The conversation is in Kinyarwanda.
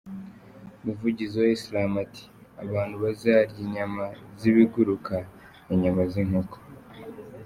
Umuvugizi wa islamu ati :”Abantu bazarya inyama z’ibiguruka, inyama z’inkoko.